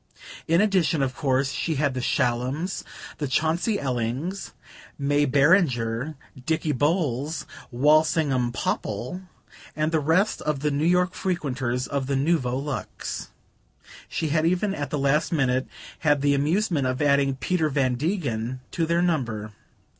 In addition, of course, she had the Shallums, the Chauncey Ellings, May Beringer, Dicky Bowles, Walsingham Popple, and the rest of the New York frequenters of the Nouveau Luxe; she had even, at the last minute, had the amusement of adding Peter Van Degen to their number.